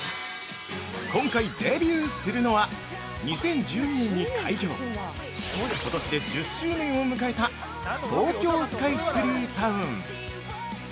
◆今回、デビューするのは２０１２年に開業今年で１０周年を迎えた「東京スカイツリータウン」